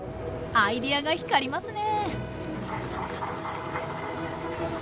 アイデアが光りますね